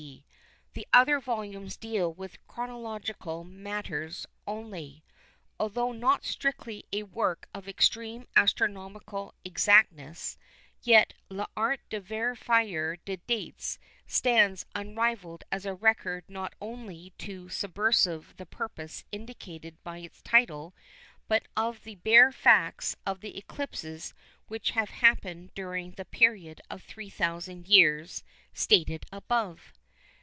D. The other volumes deal with chronological matters only. Although not strictly a work of extreme astronomical exactness, yet L'Art de vérifier les Dates stands unrivalled as a record not only to subserve the purpose indicated by its title, but of the bare facts of the eclipses which have happened during the period of 3000 years stated above.